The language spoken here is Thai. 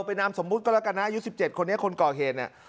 เป็นนามสมมุติก็แล้วกันนะอายุ๑๗คนนี้คนก่อเหตุเนี่ย